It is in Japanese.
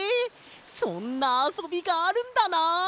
そんなあそびがあるんだな！